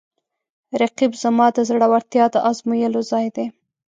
رقیب زما د زړورتیا د ازمویلو ځای دی